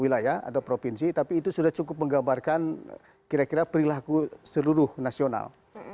wilayah atau provinsi tapi itu sudah cukup menggambarkan kira kira perilaku seluruh nasional